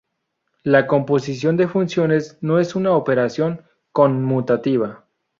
La composición de funciones no es una operación conmutativa.